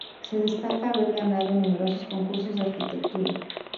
Se destaca haber ganado numerosos concursos de arquitectura.